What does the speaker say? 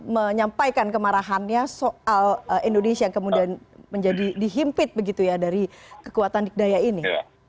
menyampaikan kemarahannya soal indonesia yang kemudian menjadi dihimpit begitu ya dari kekuatan dikdaya ini